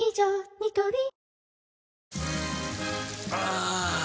ニトリあぁ！